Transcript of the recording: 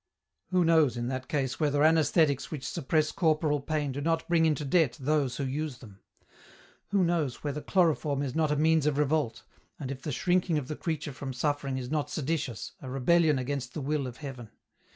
Who knows in that case whether anaesthetics which suppress corporal pain do not bring into debt those who use them ? Who knows whether chloroform is not a means of revolt, and if the shrinking of the creature from suffering is not seditious, a rebellion against the will of Heaven